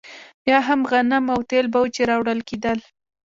یا هم غنم او تېل به وو چې راوړل کېدل.